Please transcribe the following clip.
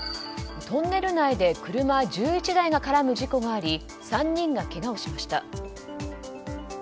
トンネル内で車１１台が絡む事故があり３人が、けがをしました。